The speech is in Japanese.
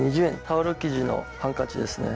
タオル生地のハンカチですね。